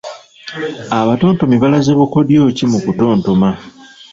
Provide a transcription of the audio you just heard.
Abatontomi balaze bukodyo ki mu kutontoma?